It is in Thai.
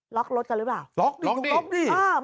ล็อกรถกันหรือเปล่าล็อกดิล็อกดิล็อกดิล็อกดิล็อกดิ